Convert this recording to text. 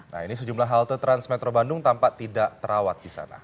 nah ini sejumlah halte transmetro bandung tampak tidak terawat di sana